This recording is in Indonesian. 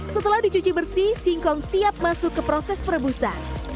setelah dicuci bersih singkong siap masuk ke proses perebusan